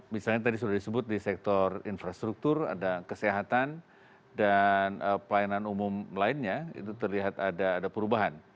misalnya tadi sudah disebut di sektor infrastruktur ada kesehatan dan pelayanan umum lainnya itu terlihat ada perubahan